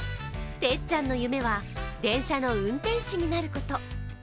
てっちゃんの夢は電車の運転士になること。